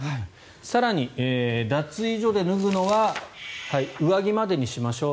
更に、脱衣所で脱ぐのは上着までにしましょう。